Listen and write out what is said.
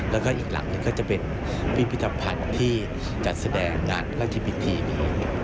แล้วก็อีกหลังหนึ่งก็จะเป็นพิพิธภัณฑ์ที่จัดแสดงงานพระราชพิธี